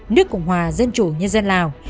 nước cộng hòa dân chủ nhân dân lào